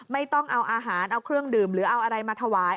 ไม่ต้องเอาอาหารเอาเครื่องดื่มหรือเอาอะไรมาถวาย